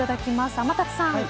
天達さん。